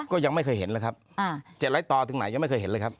ก็ยังไม่เคยเห็นเลยครับ๗๐๐ต่อถึงไหนยังไม่เคยเห็นเลยครับ